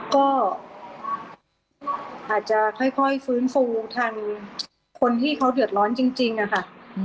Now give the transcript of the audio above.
ก็อาจจะค่อยฟื้นฟูทางคนที่เขาเดือดร้อนจริงอะค่ะ